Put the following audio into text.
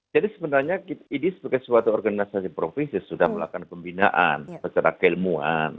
jadi sebenarnya idi sebagai suatu organisasi provinsi sudah melakukan pembinaan secara keilmuan